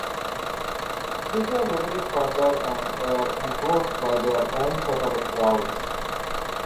These were located further and were enclosed by their own separate walls.